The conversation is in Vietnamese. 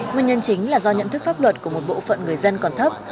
nguyên nhân chính là do nhận thức pháp luật của một bộ phận người dân còn thấp